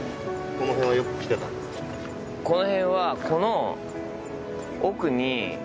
この辺はこの。